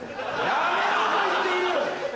やめろと言っている！